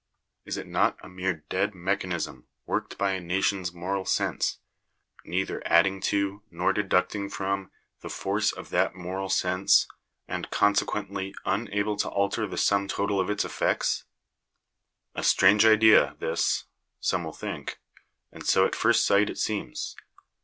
Is it not a mere dead mechanism worked by a nation's moral sense ; neither adding to, nor deducting from, the force of that moral sense ; and con sequently unable to alter the sum total of its effects ? 'A strange idea, this, some will think ; and so at first sight it seems.